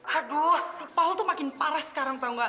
aduh si paul tuh makin parah sekarang tau gak